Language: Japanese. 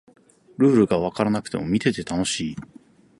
ルールがわからなくても見てて楽しい